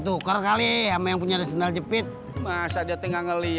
duzon dayak gue jalan duluan